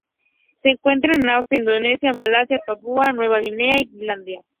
Se encuentra en Australia, Indonesia, Malasia, Papúa Nueva Guinea y Tailandia.